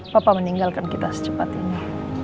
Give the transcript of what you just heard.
papa meninggalkan kita secepat ini